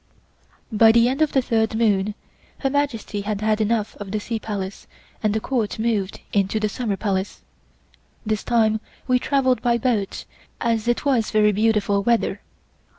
By the end of the third moon Her Majesty had had enough of the Sea Palace and the Court moved into the Summer Palace. This time we travelled by boat as it was very beautiful weather.